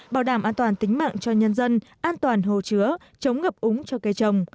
bảo đảm an toàn tính mạng cho nhân dân an toàn hồ chứa chống ngập úng cho cây trồng